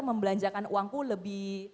membelanjakan uangku lebih